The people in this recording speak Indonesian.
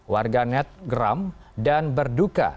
warga net geram dan berduka